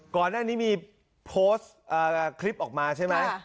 ก่อนหน้านี้มีโพสต์คลิปออกมาใช่ไหม